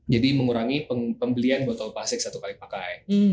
jadi mengurangi pembelian botol plastik satu kali pakai